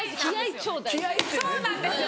そうなんですよ！